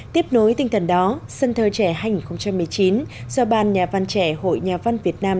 tiếp nối tinh thần đó sân thơ trẻ hai nghìn một mươi chín do ban nhà văn trẻ hội nhà văn việt nam